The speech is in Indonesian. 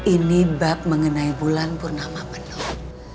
ini bab mengenai bulan bernama penuh